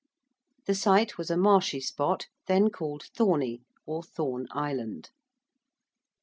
The site was a marshy spot, then called Thorney, or Thorn Island.